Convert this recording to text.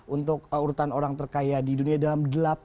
untuk urutan orang terkaya di dunia dalam delapan tahun terakhir